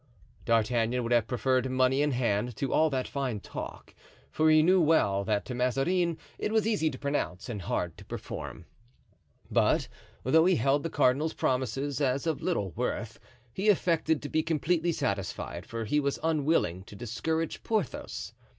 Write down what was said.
D'Artagnan would have preferred money in hand to all that fine talk, for he knew well that to Mazarin it was easy to promise and hard to perform. But, though he held the cardinal's promises as of little worth, he affected to be completely satisfied, for he was unwilling to discourage Porthos.